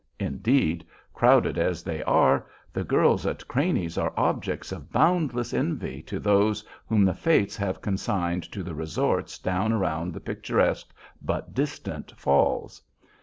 Indeed, crowded as they are, the girls at Craney's are objects of boundless envy to those whom the Fates have consigned to the resorts down around the picturesque but distant "Falls."